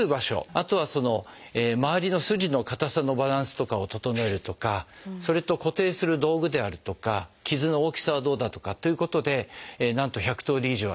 あとはまわりの筋の硬さのバランスとかを整えるとかそれと固定する道具であるとか傷の大きさはどうだとかっていうことでなんと１００通り以上あります。